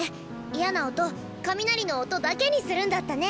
嫌な音雷の音だけにするんだったね。